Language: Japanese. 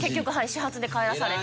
始発で帰らされて。